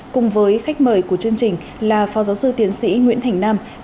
cùng với khách mời của chương trình là phó giáo sư tiến sĩ nguyễn thành nam